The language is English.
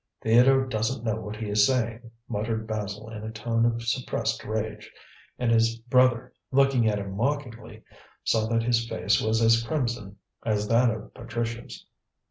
"Theodore doesn't know what he is saying," muttered Basil in a tone of suppressed rage; and his brother, looking at him mockingly, saw that his face was as crimson as that of Patricia's.